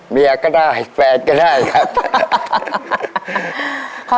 เมียก็ได้แฟนก็ได้ครับ